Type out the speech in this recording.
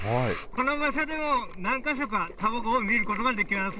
この場所でも何か所か卵を見ることができます。